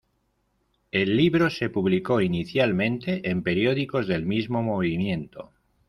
El libro se publicó inicialmente en periódicos del mismo movimiento.